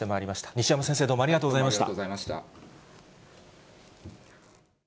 西山先生、どうもありがとうございました。